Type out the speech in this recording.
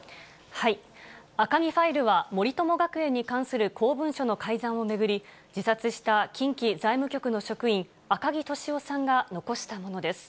赤木ファイルは、森友学園に関する公文書の改ざんを巡り、自殺した近畿財務局の職員、赤木俊夫さんが残したものです。